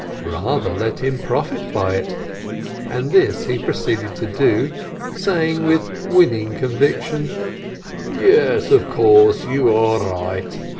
Rather let him profit by it ! And this he proceeded to do, saying with winning conviction : "Yes, of course, you are right!